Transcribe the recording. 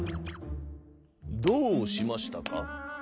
「どうしましたか？」。